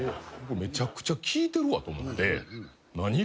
めちゃくちゃ効いてるわと思って何？